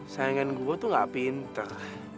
sayangin gua tuh gak pinter